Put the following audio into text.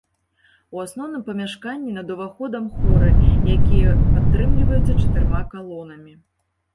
У асноўным памяшканні над уваходам хоры, якія падтрымліваюцца чатырма калонамі.